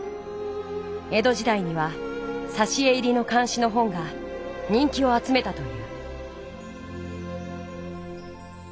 江戸時代にはさし絵入りの漢詩の本が人気をあつめたという。